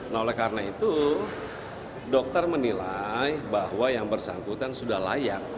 nah oleh karena itu dokter menilai bahwa yang bersangkutan sudah layak